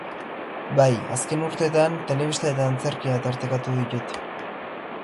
Bai, azken urteetan telebista eta antzerkia tartekatu ditut.